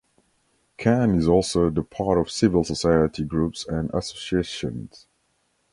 Khan is also the part of civil society groups and associations.